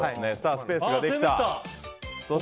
スペースができた。